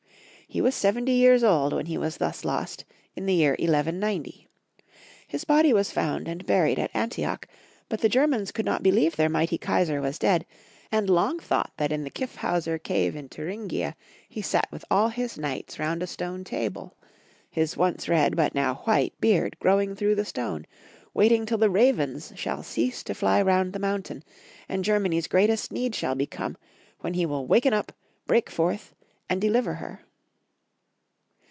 He was seventy years old when he was thus lost, in the year 1190. His body was found and buried at Antioch; but the Germans could not believe their mighty Kaisar was dead, and long thought that in the Kyfifhauser cave in Thuringia he sat with all his knights round a stone table. Ids once red, but now wliite, beard growing through the stone, waiting till the ravens shall cease to fly round the mountain, and Ger many's greatest need shall be come, when he will waken up, break forth, and deliver her.